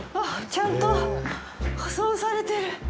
ちゃんと舗装されてる。